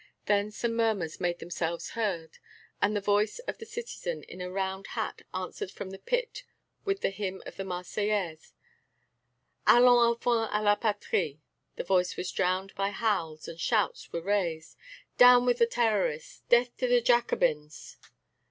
Then some murmurs made themselves heard, and the voice of a citizen in a round hat answered from the pit with the hymn of the Marseillaise: Allons, enfants de la patrie.... The voice was drowned by howls, and shouts were raised: "Down with the Terrorists! Death to the Jacobins!"